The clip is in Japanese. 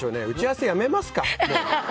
打ち合わせ、やめますか？